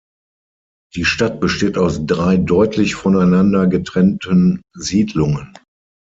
Die Stadt besteht aus drei deutlich voneinander getrennten Siedlungen.